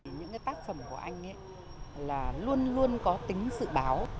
những tác phẩm của anh là luôn luôn có tính dự báo